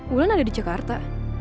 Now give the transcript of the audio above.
wulan ada di jakarta